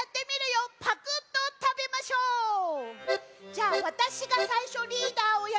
じゃあわたしがさいしょリーダーをやります。